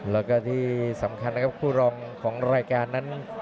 แล้วก็ที่สำคัญนะครับคู่รองของรายการนั้น